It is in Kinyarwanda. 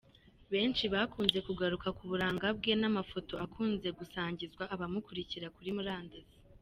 benshi bakunze kugaruka ku buranga bwe n’amafoto akunze gusangiza abamukurikira kuri murandasi .